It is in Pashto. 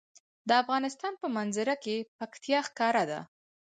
د افغانستان په منظره کې پکتیا ښکاره ده.